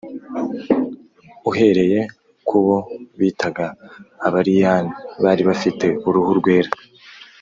uhereye ku bo bitaga abariyani [bari bafite uruhu rwera]